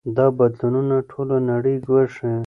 دا بدلونونه ټوله نړۍ ګواښي.